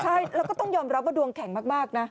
ใช่แล้วก็ต้องยอมรับว่าดวงแข็งมากนะ